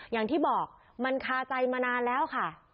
อย่างที่บอกมันคาใจมานานแล้วค่ะ